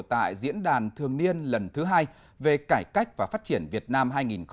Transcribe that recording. tại diễn đàn thường niên lần thứ hai về cải cách và phát triển việt nam hai nghìn một mươi chín